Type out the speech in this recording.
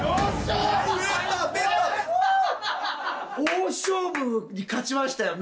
大勝負に勝ちましたよ